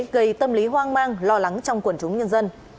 gây tâm lý hoang mang lo lắng trong quần chúng nhân dân